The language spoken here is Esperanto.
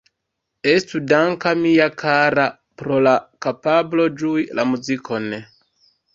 Estu danka, mia kara, pro la kapablo ĝui la muzikon.